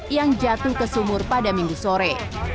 yang jatuh ke sumur pada minggu sore